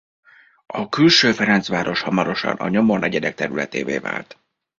A Külső-Ferencváros hamarosan a nyomornegyedek területévé vált.